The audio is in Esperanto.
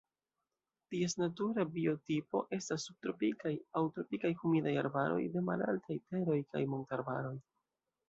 Ties natura biotopo estas subtropikaj aŭ tropikaj humidaj arbaroj de malaltaj teroj kaj montararbaroj.